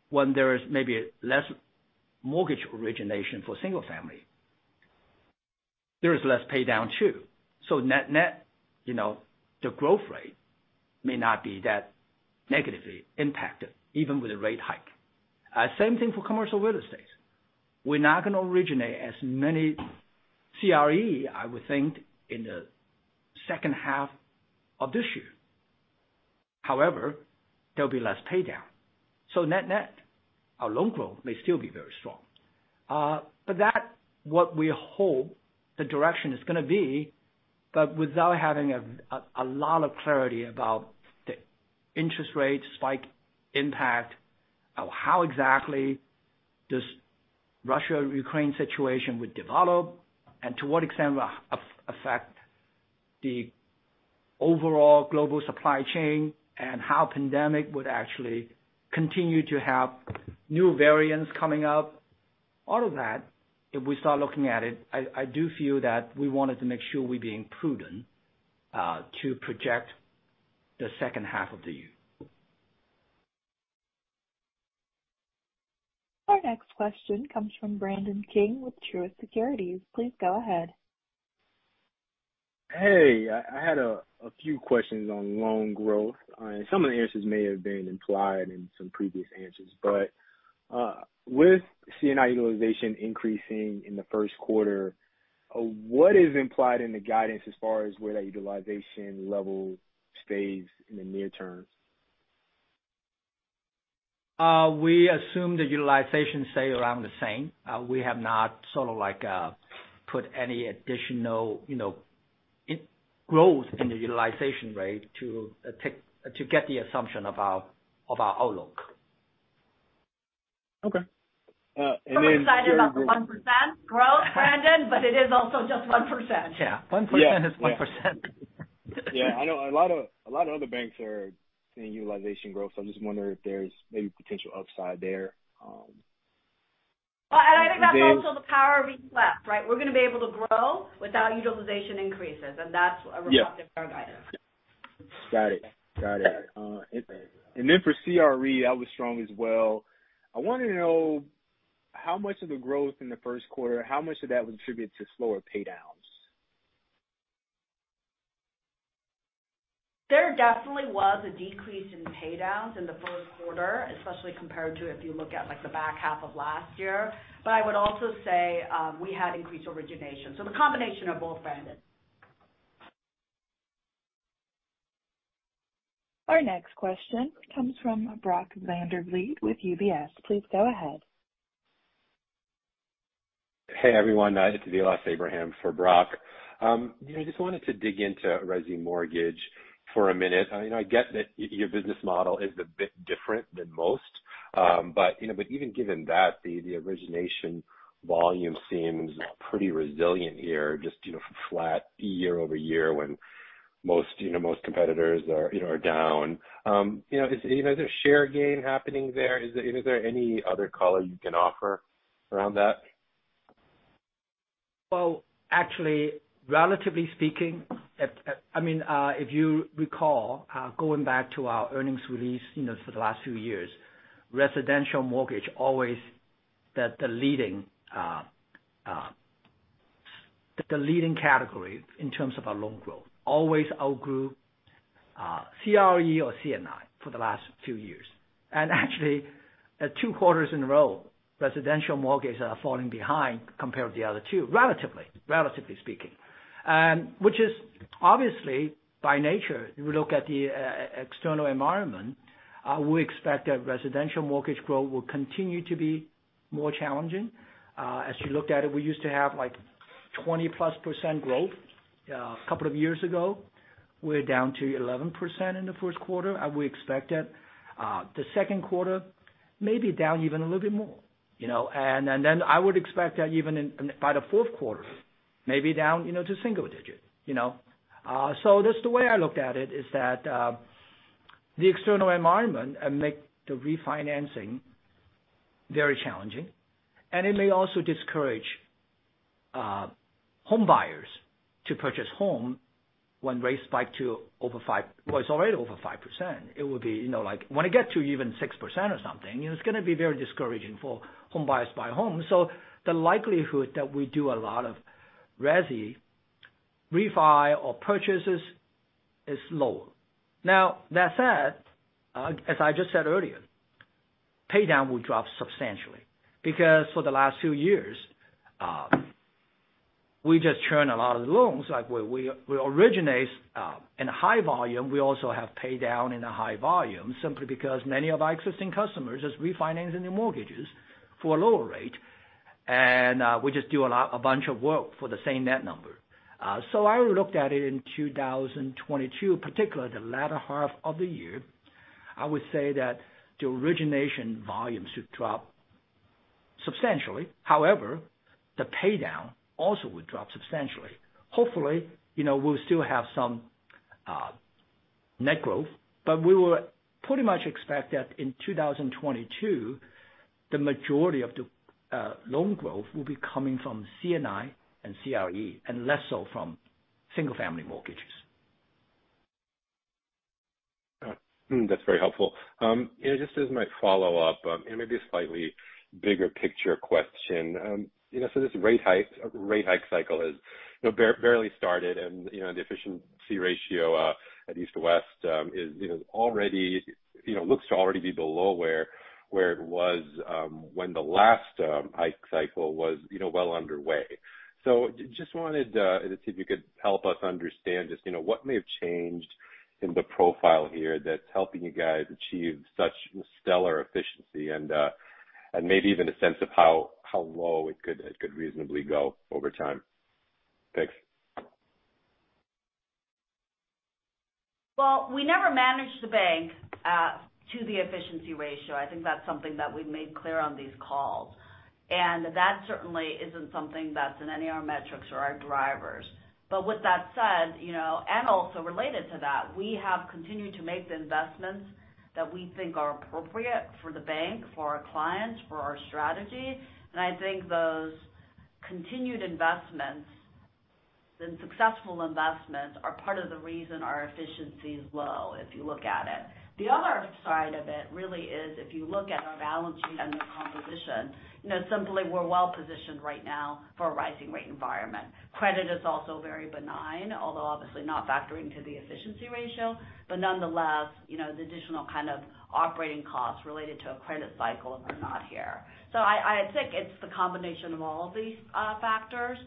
when there is maybe less mortgage origination for single family, there is less pay down too. So net, you know, the growth rate may not be that negatively impacted even with a rate hike. Same thing for commercial real estate. We're not gonna originate as many CRE, I would think, in the second half of this year. However, there'll be less pay down. So net-net, our loan growth may still be very strong. But that's what we hope the direction is gonna be. Without having a lot of clarity about the interest rate spike impact or how exactly this Russia-Ukraine situation would develop and to what extent will affect the overall global supply chain and how pandemic would actually continue to have new variants coming up. All of that, if we start looking at it, I do feel that we wanted to make sure we're being prudent to project the second half of the year. Our next question comes from Brandon King with Truist Securities. Please go ahead. Hey, I had a few questions on loan growth, and some of the answers may have been implied in some previous answers. With C&I utilization increasing in the Q1, what is implied in the guidance as far as where that utilization level stays in the near term? We assume the utilization stay around the same. We have not put any additional growth in the utilization rate to get the assumption of our outlook. Okay. I'm excited about the 1% growth, Brandon, but it is also just 1%. Yeah. 1% is 1%. Yeah. I know a lot of other banks are seeing utilization growth, so I'm just wondering if there's maybe potential upside there. Well, I think that's also the power of, right? We're gonna be able to grow without utilization increases, and that's a reflective- Yeah. end of our guidance. Got it. For CRE, that was strong as well. I wanted to know how much of the growth in the Q1 would you attribute to slower pay downs? There definitely was a decrease in pay downs in the Q1, especially compared to if you look at, like, the back half of last year. But I would also say, we had increased origination, so the combination of both, Brandon. Our next question comes from Brock Vandervliet with UBS. Please go ahead. Hey, everyone. It's Vilas Abraham for Brock. You know, I just wanted to dig into resi mortgage for a minute. I get that your business model is a bit different than most. But even given that, the origination volume seems pretty resilient here, just you know, flat year-over-year when most competitors are down. You know, is there share gain happening there? Is there any other color you can offer around that? Well, actually, relatively speaking, I mean, if you recall, going back to our earnings release, you know, for the last few years, residential mortgage always the leading category in terms of our loan growth. Always outgrew CRE or C&I for the last few years. Actually, two quarters in a row, residential mortgages are falling behind compared to the other two, relatively speaking. Which is obviously by nature, if you look at the external environment, we expect that residential mortgage growth will continue to be more challenging. As you looked at it, we used to have like 20+% growth a couple of years ago. We're down to 11% in the Q1, and we expect that the Q2, maybe down even a little bit more, you know. I would expect that even by the Q4, maybe down, you know, to single digits, you know. That's the way I looked at it, is that the external environment make the refinancing very challenging, and it may also discourage homebuyers to purchase home when rates spike to over 5%. Well, it's already over 5%. It would be, you know, like when it get to even 6% or something, it's going to be very discouraging for home buyers to buy homes. The likelihood that we do a lot of resi refi or purchases is lower. Now, that said, as I just said earlier, pay down will drop substantially because for the last 2 years, we just churn a lot of loans. Like, we originate in high volume. We also have pay down in a high volume simply because many of our existing customers is refinancing their mortgages for a lower rate. We just do a lot, a bunch of work for the same net number. I looked at it in 2022, particularly the latter half of the year. I would say that the origination volumes should drop substantially. However, the pay down also would drop substantially. Hopefully, you know, we'll still have some. Net growth. We will pretty much expect that in 2022, the majority of the loan growth will be coming from C&I and CRE and less so from single family mortgages. Got it. That's very helpful. You know, just as a follow-up, and maybe a slightly bigger picture question. You know, this rate hike cycle has barely started and the efficiency ratio at East West already looks to be below where it was when the last hike cycle was well underway. Just wanted to see if you could help us understand just what may have changed in the profile here that's helping you guys achieve such stellar efficiency and maybe even a sense of how low it could reasonably go over time. Thanks. Well, we never managed the bank to the efficiency ratio. I think that's something that we've made clear on these calls. That certainly isn't something that's in any of our metrics or our drivers. With that said, you know, and also related to that, we have continued to make the investments that we think are appropriate for the bank, for our clients, for our strategy. I think those continued investments and successful investments are part of the reason our efficiency is low if you look at it. The other side of it really is if you look at our balance sheet and the composition, you know, simply we're well-positioned right now for a rising rate environment. Credit is also very benign, although obviously not factoring to the efficiency ratio. Nonetheless, you know, the additional kind of operating costs related to a credit cycle are not here. I think it's the combination of all of these factors.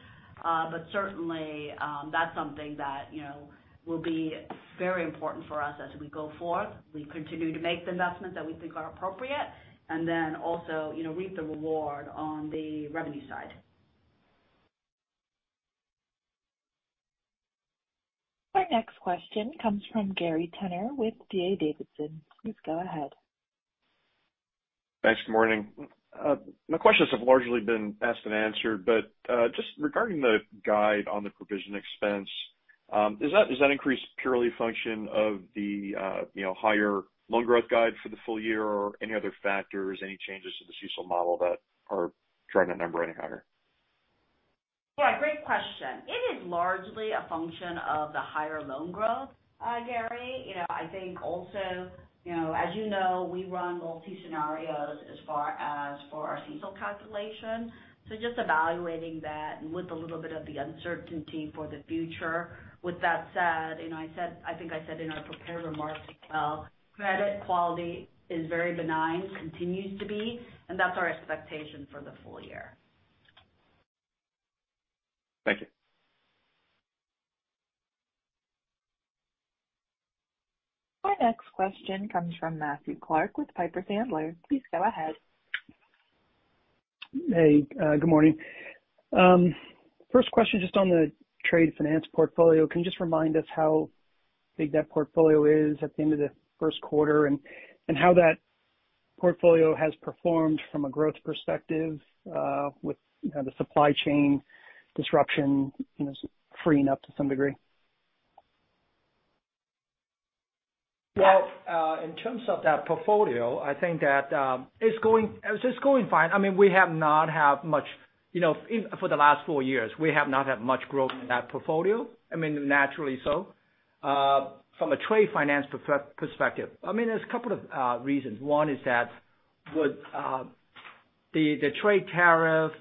Certainly, that's something that, you know, will be very important for us as we go forth. We continue to make the investments that we think are appropriate and then also, you know, reap the reward on the revenue side. Our next question comes from Gary Tenner with D.A. Davidson. Please go ahead. Thanks. Good morning. My questions have largely been asked and answered, but just regarding the guide on the provision expense, is that increase purely a function of the, you know, higher loan growth guide for the full year or any other factors, any changes to the CECL model that are driving that number any higher? Yeah, great question. It is largely a function of the higher loan growth, Gary. You know, I think also, you know, as you know, we run multiple scenarios as far as for our CECL calculation. So just evaluating that with a little bit of the uncertainty for the future. With that said, you know, I think I said in our prepared remarks, credit quality is very benign, continues to be, and that's our expectation for the full year. Thank you. Our next question comes from Matthew Clark with Piper Sandler. Please go ahead. Hey, good morning. First question, just on the trade finance portfolio. Can you just remind us how big that portfolio is at the end of the Q1 and how that portfolio has performed from a growth perspective, with, you know, the supply chain disruption, you know, freeing up to some degree? Well, in terms of that portfolio, I think that it's going fine. I mean, we have not had much, you know, for the last four years, we have not had much growth in that portfolio. I mean, naturally so. From a trade finance perspective, I mean, there's a couple of reasons. One is that with the trade tariff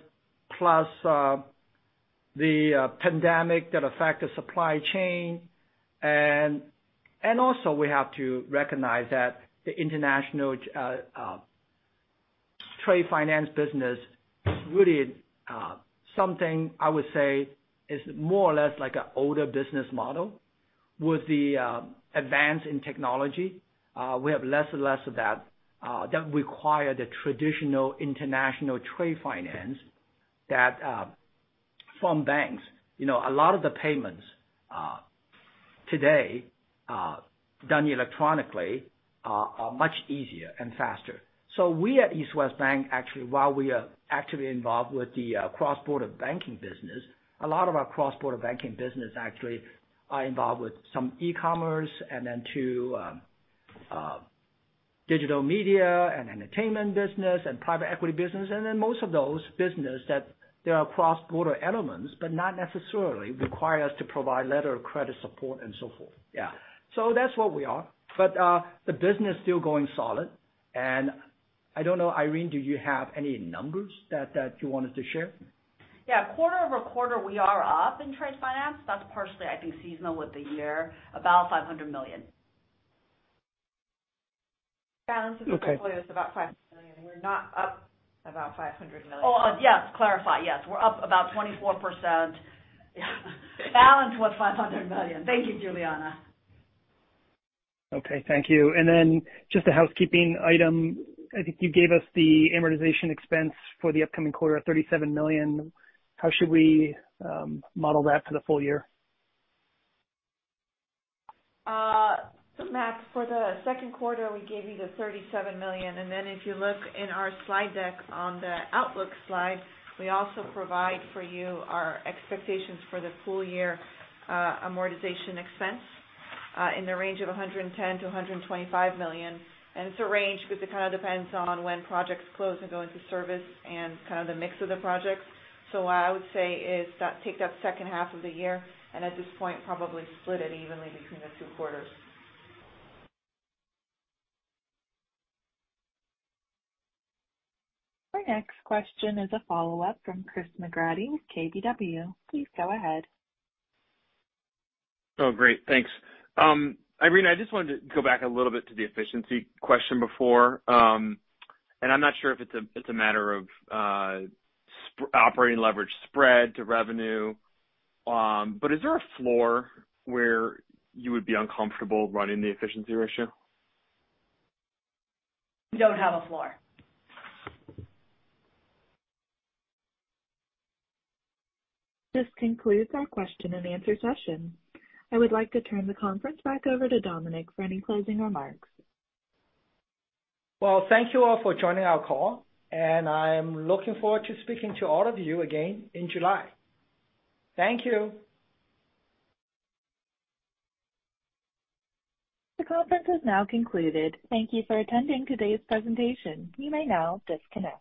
plus the pandemic that affect the supply chain. Also we have to recognize that the international trade finance business is really something I would say is more or less like an older business model. With the advance in technology, we have less and less of that that require the traditional international trade finance that from banks. You know, a lot of the payments today done electronically are much easier and faster. We at East West Bank, actually, while we are actively involved with the cross-border banking business, a lot of our cross-border banking business actually are involved with some e-commerce and then digital media and entertainment business and private equity business. Most of those business that there are cross-border elements, but not necessarily require us to provide letter of credit support and so forth. Yeah. That's where we are. The business still going solid. I don't know, Irene, do you have any numbers that you wanted to share? Yeah. Quarter over quarter, we are up in trade finance. That's partially, I think, seasonal with the year, about $500 million. Balance of the portfolio is about $500 million. We're not up about $500 million. Oh, yes. Clarify. Yes. We're up about 24%. Balance was $500 million. Thank you, Juliana. Okay. Thank you. Then just a housekeeping item. I think you gave us the amortization expense for the upcoming quarter of $37 million. How should we model that for the full year? Matt, for the Q2, we gave you the $37 million. If you look in our slide deck on the outlook slide, we also provide for you our expectations for the full year, amortization expense, in the range of $110 million-$125 million. It's a range because it kind of depends on when projects close and go into service and kind of the mix of the projects. What I would say is that take that second half of the year, and at this point, probably split it evenly between the two quarters. Our next question is a follow-up from Chris McGratty with KBW. Please go ahead. Oh, great. Thanks. Irene, I just wanted to go back a little bit to the efficiency question before. I'm not sure if it's a matter of operating leverage spread to revenue. Is there a floor where you would be uncomfortable running the efficiency ratio? We don't have a floor. This concludes our question and answer session. I would like to turn the conference back over to Dominic for any closing remarks. Well, thank you all for joining our call, and I'm looking forward to speaking to all of you again in July. Thank you. The conference has now concluded. Thank you for attending today's presentation. You may now disconnect.